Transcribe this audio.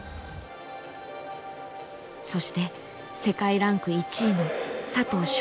そして世界ランク１位の佐藤翔